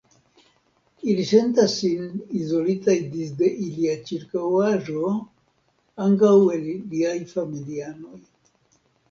Ili sentas sin izolitaj disde ilia ĉirkaŭaĵo, ankaŭ el iliaj familianoj.